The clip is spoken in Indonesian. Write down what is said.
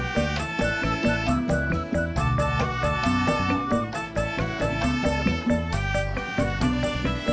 kenapa mau evaluations